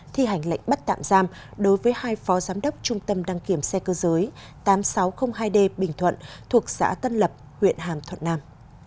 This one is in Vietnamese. thi hành lệnh bắt tạm giam đối với hai phó giám đốc trung tâm đăng kiểm xe cơ giới tám nghìn sáu trăm linh hai d bình thuận thuộc xã tân lập huyện hàm thuận nam